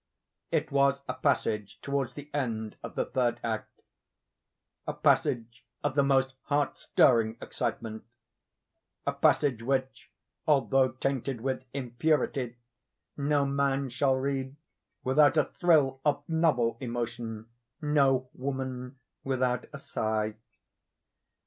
It was a passage towards the end of the third act—a passage of the most heart stirring excitement—a passage which, although tainted with impurity, no man shall read without a thrill of novel emotion—no woman without a sigh.